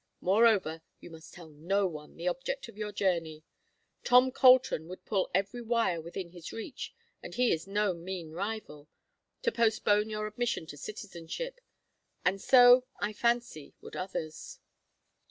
Moreover, you must tell no one the object of your journey. Tom Colton would pull every wire within his reach, and he is no mean rival, to postpone your admission to citizenship, and so, I fancy, would others."